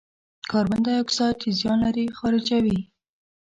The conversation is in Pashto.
کاربن دای اکساید چې زیان لري، خارجوي.